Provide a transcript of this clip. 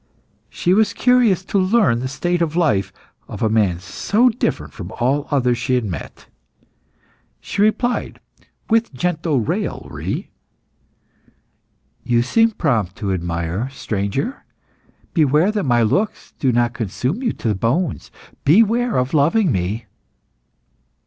She was curious to learn the state of life of a man so different from all others she had met. She replied, with gentle raillery "You seem prompt to admire, stranger. Beware that my looks do not consume you to the bones! Beware of loving me!"